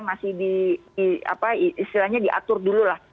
masih di apa istilahnya diatur dulu lah